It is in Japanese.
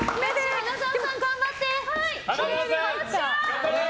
花澤さん、頑張って！